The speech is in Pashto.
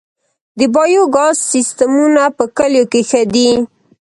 د بایو ګاز سیستمونه په کلیو کې ښه دي